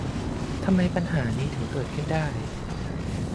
ทำไมปัญหานี้ถึงเกิดขึ้นได้ ?